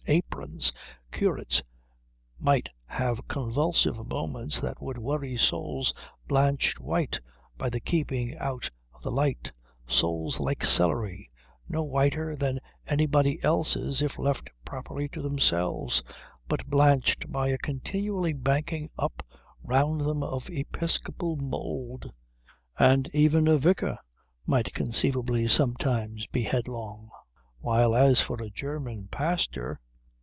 Aprons. Curates might have convulsive moments that would worry souls blanched white by the keeping out of the light, souls like celery, no whiter than anybody else's if left properly to themselves, but blanched by a continual banking up round them of episcopal mould; and even a vicar might conceivably sometimes be headlong; while as for a German pastor....